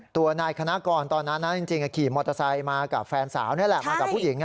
ตัวนายคณะกรตอนนั้นจริงขี่มอเตอร์ไซค์มากับแฟนสาวนี่แหละมากับผู้หญิง